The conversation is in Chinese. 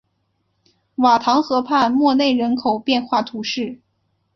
瓦唐河畔默内人口变化图示